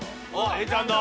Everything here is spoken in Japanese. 永ちゃんだ。